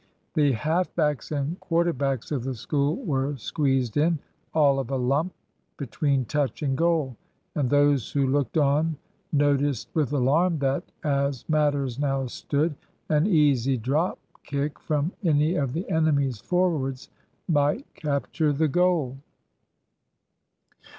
The half backs and quarter backs of the School were squeezed in, all of a lump, between touch and goal; and those who looked on noticed with alarm that, as matters now stood, an easy drop kick from any of the enemy's forwards might capture the goal.